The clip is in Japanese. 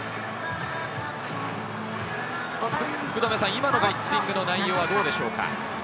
今のバッティングの内容はどうでしょうか？